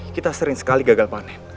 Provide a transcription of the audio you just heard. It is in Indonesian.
kita sering sekali gagal panen